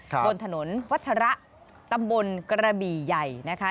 บนถนนวัชระตำบลกระบี่ใหญ่นะคะ